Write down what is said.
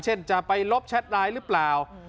เช่นจะไปลบแชทไลน์หรือเปล่า